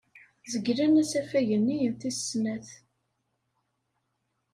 Zeglen asafag-nni n tis snat.